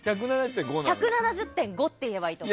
１７０．５って言えばいいと思う。